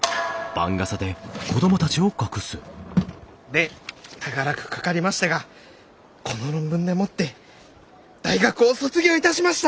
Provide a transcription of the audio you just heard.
で長らくかかりましたがこの論文でもって大学を卒業いたしました！